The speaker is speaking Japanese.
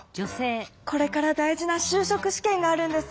これから大事なしゅうしょく試験があるんです。